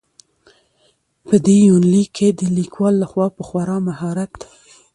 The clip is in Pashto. په دې يونليک کې د ليکوال لخوا په خورا مهارت.